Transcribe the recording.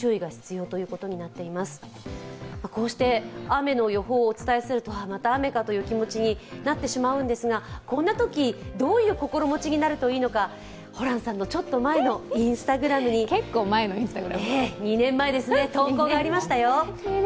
雨の予報をお伝えするとまた雨かという気持ちになってしまうんですがこんなとき、どういう心持ちになるといいのか、ホランさんのちょっと前のＩｎｓｔａｇｒａｍに２年前ですね、投稿がありましたよ。